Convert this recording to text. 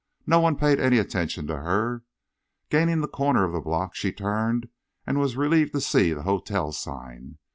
No one paid any attention to her. Gaining the corner of the block, she turned, and was relieved to see the hotel sign.